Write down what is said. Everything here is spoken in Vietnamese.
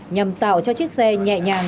nhằm tạo cho chiếc xe nhẹ nhàng